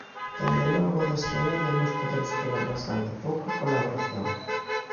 Dende logo, deste lado imos poder esperar bastante pouca colaboración.